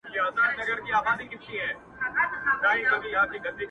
• ضرور به زما و ستا نه په کښي ورک غمي پیدا سي,